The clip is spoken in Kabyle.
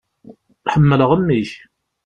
Ḥemmleɣ mmi-k.